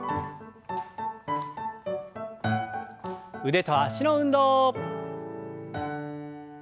腕と脚の運動。